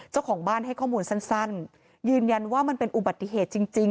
เจ้าของบ้านให้ข้อมูลสั้นยืนยันว่ามันเป็นอุบัติเหตุจริง